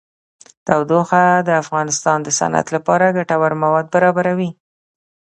تودوخه د افغانستان د صنعت لپاره ګټور مواد برابروي.